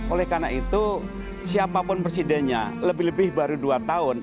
oleh karena itu siapapun presidennya lebih lebih baru dua tahun